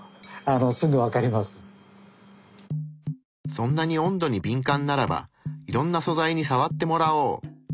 そんなに温度にびん感ならばいろんな素材にさわってもらおう。